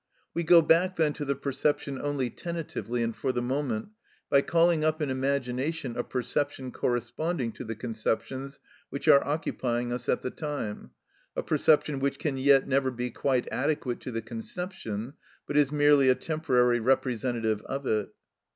We go back, then, to the perception only tentatively and for the moment, by calling up in imagination a perception corresponding to the conceptions which are occupying us at the time—a perception which can yet never be quite adequate to the conception, but is merely a temporary representative of it.